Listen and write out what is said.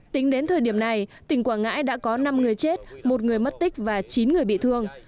tính đến thời điểm này tỉnh quảng ngãi đã có năm người chết một người mất tích và chín người bị thương